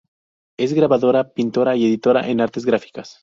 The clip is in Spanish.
Es grabadora, pintora y editora en artes gráficas.